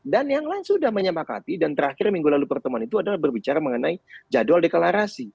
dan yang lain sudah menyepakati dan terakhir minggu lalu pertemuan itu adalah berbicara mengenai jadwal deklarasi